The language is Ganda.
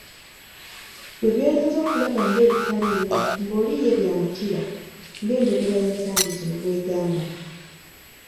Ggwe by'oyinza okulaba ng'ebitaliimu ng'oli ye by'amatira ng'enjogera y'ensangi zino bwe gamba.